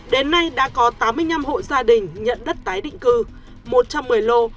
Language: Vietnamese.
đến nay đã có tám mươi năm hộ gia đình nhận đất tái định cư một trăm một mươi lô